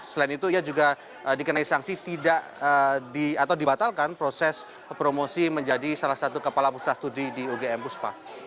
selain itu ia juga dikenai sanksi tidak atau dibatalkan proses promosi menjadi salah satu kepala pusat studi di ugm puspa